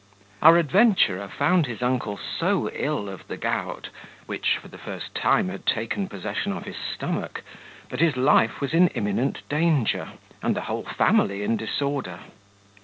Our adventurer found his uncle so ill of the gout, which, for the first time, had taken possession of his stomach, that his life was in imminent danger, and the whole family in disorder.